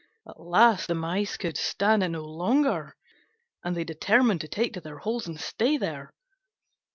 At last the Mice could stand it no longer, and they determined to take to their holes and stay there.